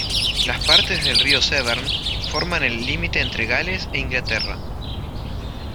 Las partes del río Severn forman el límite entre Gales e Inglaterra.